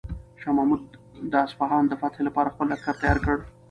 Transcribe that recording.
شاه محمود د اصفهان د فتح لپاره خپل لښکر تیار کړ.